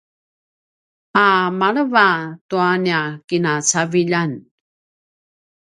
a maleva tua nia kinacaviljan